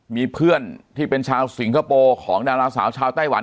มีเพื่อนที่เป็นชาวสิงคโปร์ของดาราสาวชาวไต้หวัน